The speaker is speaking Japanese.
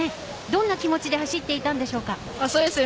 どんな気持ちで走っていたんでしょうか。